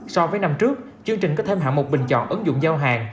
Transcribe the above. so với năm trước chương trình có thêm hạng mục bình chọn ứng dụng giao hàng